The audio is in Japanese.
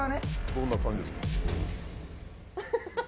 どんな感じですか？